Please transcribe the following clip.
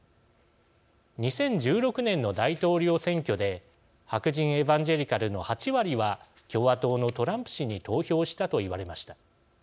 ２０１６年の大統領選挙で白人エバンジェリカルの８割は共和党のトランプ氏に投票したと言われました。